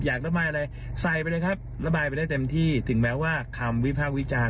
ระบายอะไรใส่ไปเลยครับระบายไปได้เต็มที่ถึงแม้ว่าคำวิพากษ์วิจารณ์